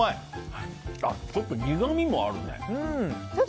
ちょっと苦みもあるね。